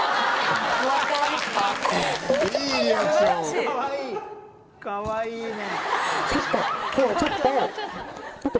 かわいいな。